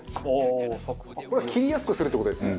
これは切りやすくするって事ですね。